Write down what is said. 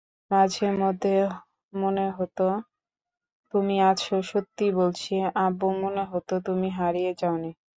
মাঝেমধ্যে মনে হতো, তুমি আছ—সত্যি বলছি আব্বু, মনে হতো তুমি হারিয়ে যাওনি।